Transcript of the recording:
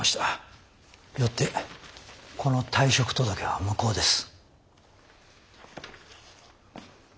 よってこの退職届は無効です。